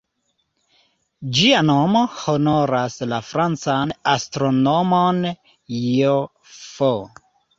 Ĝia nomo honoras la francan astronomon "J.-F.